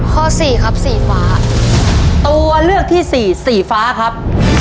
สี่ครับสีฟ้าตัวเลือกที่สี่สีฟ้าครับ